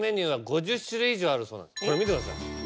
これ見てください。